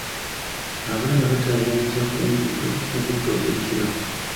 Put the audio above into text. Abaana batayaayiza ku nguudo mu budde obw’ekiro.